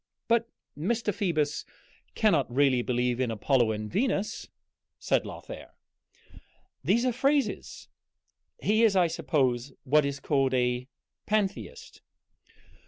"But Mr. Phoebus cannot really believe in Apollo and Venus," said Lothair. "These are phrases. He is, I suppose, what is called a Pantheist."